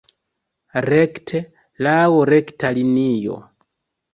Rekte, laŭ rekta linio.